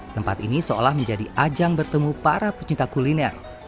tempat ini seolah menjadi ajang bertemu para pecinta kuliner